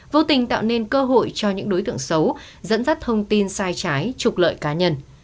vô tình tạo nên cơ hội cho những đối tượng xấu dẫn dắt thông tin sai trái trục lợi cá nhân